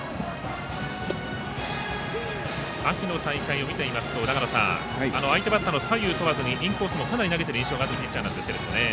秋の大会を見ていますと相手バッターの左右問わずにインコースもかなり投げている印象のあるピッチャーですが。